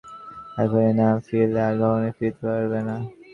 এখনই না ফিরলে, আর কখনোই ফিরতে পারবে না।